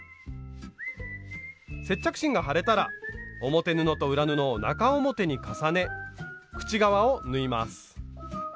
接着芯が貼れたら表布と裏布を中表に重ね口側を縫います。